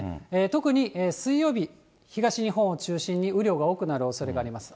特に水曜日、東日本を中心に雨量が多くなるおそれがあります。